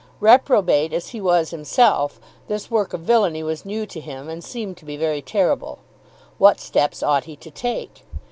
Reprobate as he was himself, this work of villainy was new to him and seemed to be very terrible. What steps ought he to take?